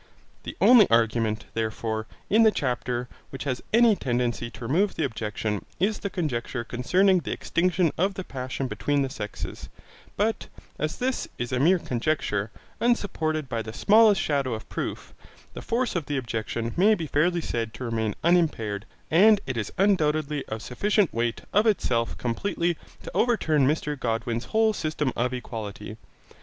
The only argument, therefore, in the chapter which has any tendency to remove the objection is the conjecture concerning the extinction of the passion between the sexes, but as this is a mere conjecture, unsupported by the smallest shadow of proof, the force of the objection may be fairly said to remain unimpaired, and it is undoubtedly of sufficient weight of itself completely to overturn Mr Godwin's whole system of equality.